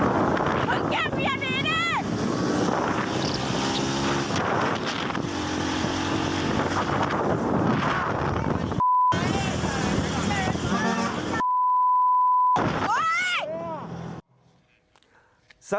ขำทมันดคล่างดังเก็บแสงเช่นกัน